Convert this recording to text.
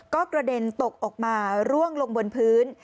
ก็กระเด็นตกออกมาร่วงลงบนพื้น